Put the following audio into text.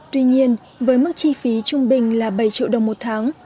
tuy nhiên với mức chi phí trung bình là bảy triệu đồng một tháng